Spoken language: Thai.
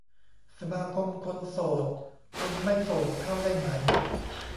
สมาคมคนโสด คนไม่โสดเข้าได้ไหม